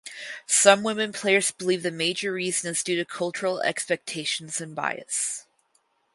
Some women players believe the major reason is due to cultural expectations and bias.